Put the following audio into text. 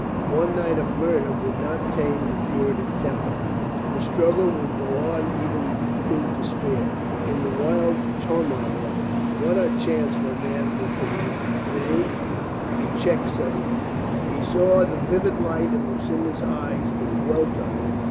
One night of murder would not tame the Puritan temper. The struggle would go on even through despair. In the wild turmoil of it, what a chance for a man who could lead! Nay — LUCINDA AGAIN AN INSPIRATION 339 He checked suddenly. He saw the vivid light in Lucinda's eyes that dwelt on him.